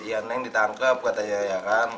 ya neng ditangkap katanya ya kan